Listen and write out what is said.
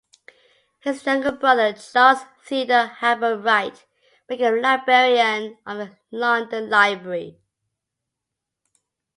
His younger brother Charles Theodore Hagberg Wright became librarian of the London Library.